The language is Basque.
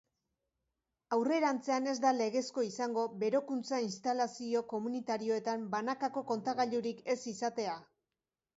Aurrerantzean ez da legezko izango berokuntza instalazio komunitarioetan banakako kontagailurik ez izatea.